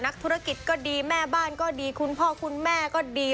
นักธุรกิจก็ดีแม่บ้านก็ดีคุณพ่อคุณแม่ก็ดี